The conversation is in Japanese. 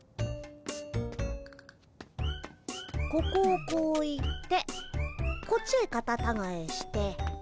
ここをこう行ってこっちへカタタガエして。